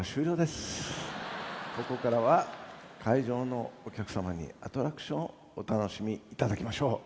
ここからは会場のお客様にアトラクションをお楽しみ頂きましょう。